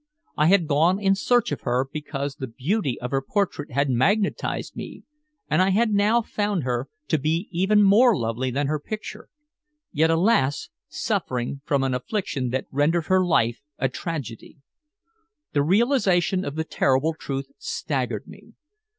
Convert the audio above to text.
I had gone in search of her because the beauty of her portrait had magnetized me, and I had now found her to be even more lovely than her picture, yet, alas! suffering from an affliction that rendered her life a tragedy. The realization of the terrible truth staggered me.